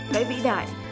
cái vĩ đại